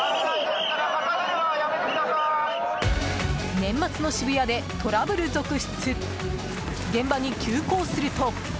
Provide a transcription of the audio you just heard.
年末の渋谷でトラブルが続出。